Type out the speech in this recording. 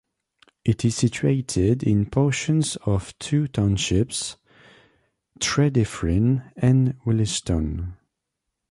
It is situated in portions of two townships: Tredyffrin and Willistown.